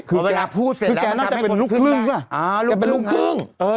เวลาพูดเสร็จแล้วมันทำให้คนขึ้นได้